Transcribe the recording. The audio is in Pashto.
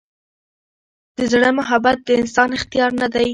د زړه محبت د انسان اختیار نه دی.